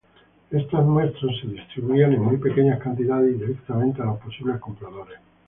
Estas muestras se distribuían en muy pequeñas cantidades y directamente a los posibles compradores.